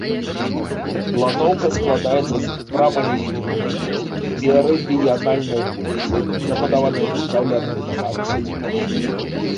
Планоўка складаецца з прамалінейнай мерыдыянальнай вуліцы, забудаванай драўлянымі дамамі сядзібнага тыпу.